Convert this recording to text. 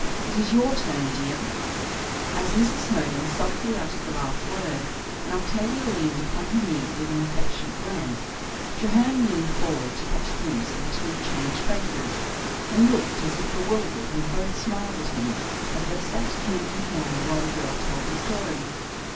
It is your turn, dear." As Mrs. Snowdon softly uttered the last word, and Octavia leaned upon her knee with an affectionate glance, Treherne leaned forward to catch a glimpse of the two changed faces, and looked as if bewildered when both smiled at him, as they sat hand in hand while the girl told her story.